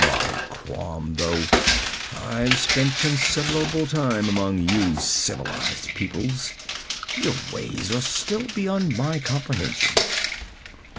'By Crom, though I've spent considerable time among you civilized peoples, your ways are still beyond my comprehension.